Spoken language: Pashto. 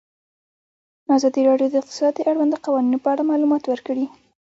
ازادي راډیو د اقتصاد د اړونده قوانینو په اړه معلومات ورکړي.